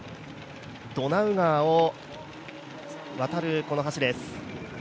ドナウ川を渡る橋です。